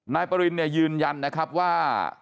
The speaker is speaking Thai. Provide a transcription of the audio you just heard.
นายประลินยืนยันว่า